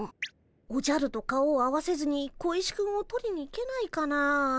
おじゃると顔を合わせずに小石くんを取りに行けないかな？